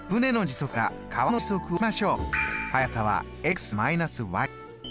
速さは？